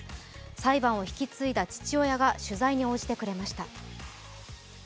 裁判を引き継いだ父親が取材に応じてくれました。